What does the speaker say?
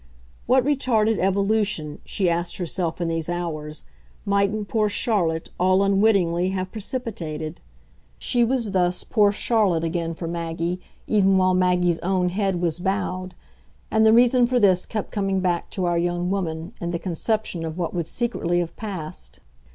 What retarded evolution, she asked herself in these hours, mightn't poor Charlotte all unwittingly have precipitated? She was thus poor Charlotte again for Maggie even while Maggie's own head was bowed, and the reason for this kept coming back to our young woman in the conception of what would secretly have passed.